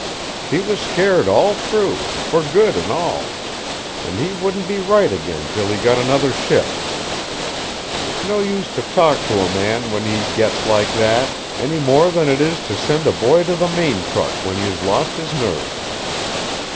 He was scared all through, for good and all; and he wouldn't be right again till he got another ship. It's no use to talk to a man when he gets like that, any more than it is to send a boy to the main truck when he has lost his nerve.